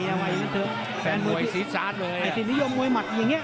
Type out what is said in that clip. เอาไว้นะเถอะแฟนมวยซิซาดเลยอ่ะให้ธินิยมมวยหมัดอย่างเงี้ย